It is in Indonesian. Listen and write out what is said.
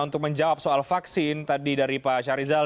untuk menjawab soal vaksin tadi dari pak syarizal